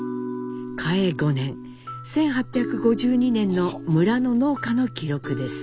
嘉永５年１８５２年の村の農家の記録です。